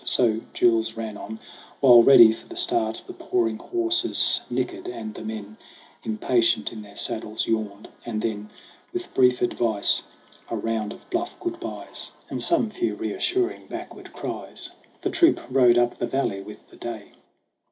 So Jules ran on, while, ready for the start, The pawing horses nickered and the men, Impatient in their saddles, yawned. And then, With brief advice, a round of bluff good byes GRAYBEARD AND GOLDHAIR 19 And some few reassuring backward cries, The troop rode up the valley with the day.